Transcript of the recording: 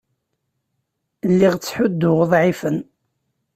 Lliɣ ttḥudduɣ uḍɛifen.